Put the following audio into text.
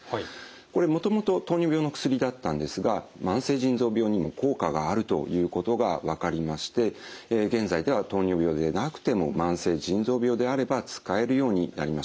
これもともと糖尿病の薬だったんですが慢性腎臓病にも効果があるということが分かりまして現在では糖尿病でなくても慢性腎臓病であれば使えるようになりました。